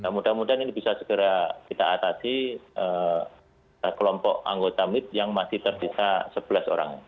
mudah mudahan ini bisa segera kita atasi kelompok anggota mit yang masih tersisa sebelas orang